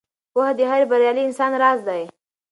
پوهه د هر بریالي انسان راز دی.